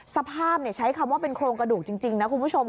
สภาพใช้คำว่าเป็นโครงกระดูกจริงนะคุณผู้ชม